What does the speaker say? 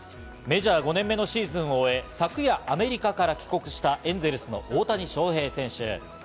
メジャー５年目のシーズンを終え、昨夜、アメリカから帰国したエンゼルスの大谷翔平選手。